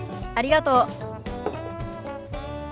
ありがとう。